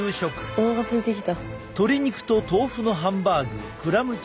おなかすいてきた。